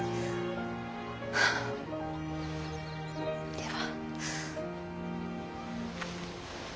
では。